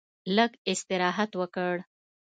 لږ استراحت وکړ.